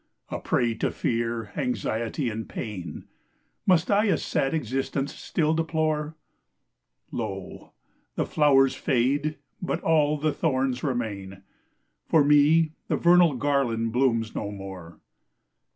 A prey to fear, anxiety, and* pain, Muft I a fad exiftence ftill deplore ? Lo !— '^the flowers fade, but all the thorns remain, * For me the Vernal garland blooms no more.'